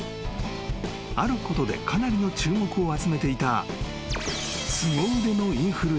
［あることでかなりの注目を集めていた］